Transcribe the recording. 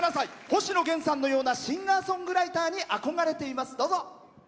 星野源さんのようなシンガーソングライターに憧れています。